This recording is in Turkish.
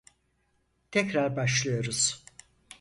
Tekrar başlıyoruz.